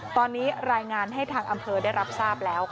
ตอนนี้รายงานให้ทางอำเภอได้รับทราบแล้ว